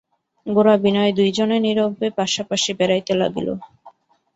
গোরা বিনয় দুইজনে নীরবে পাশাপাশি বেড়াইতে লাগিল।